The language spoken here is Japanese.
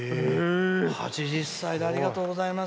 ８０歳で、ありがとうございます。